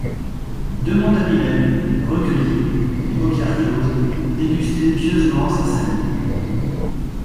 De Montalivet, recueilli, les paupières closes, dégustait pieusement sa salive.